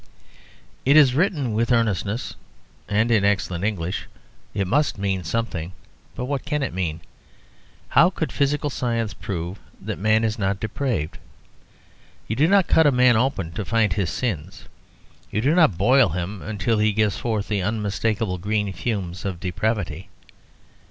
It is written with earnestness and in excellent English; it must mean something. But what can it mean? How could physical science prove that man is not depraved? You do not cut a man open to find his sins. You do not boil him until he gives forth the unmistakable green fumes of depravity.